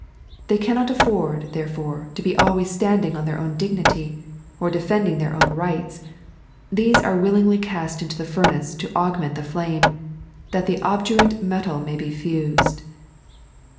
They cannot afford, therefore, to be always standing on their own dignity, and defending their own rights. These are willingly cast into the furnace to augment the flame, that the obdurate metal may be fused.